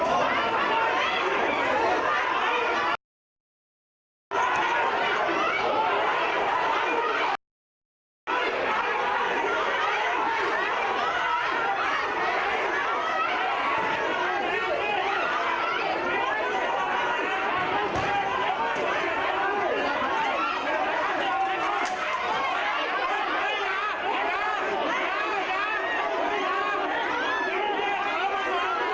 ไอลูกหน้าไอลูกหน้า